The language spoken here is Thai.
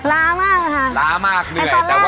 ล้ามากครับล้ามากเหนื่อย